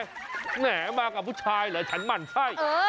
มันบ้านกลับไปกับผู้ชายแต่มันใช่